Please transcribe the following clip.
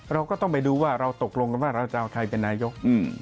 เราก็ต้องไปดูว่าเราตกลงกันว่าเราจะเอาใครเป็นนายก